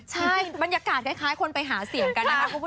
ใช่บรรยากาศคล้ายคนไปหาเสียงกันนะครับ